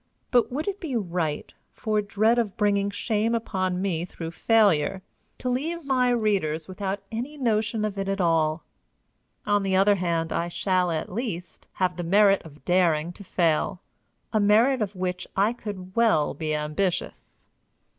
But would it be right, for dread of bringing shame upon me through failure, to leave my readers without any notion of it at all? On the other hand, I shall, at least, have the merit of daring to fail a merit of which I could well be ambitious.